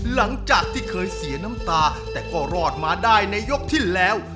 หลังจากที่เคยเสียน้ำตาแต่ก็รอดมาได้ในยกที่แล้ว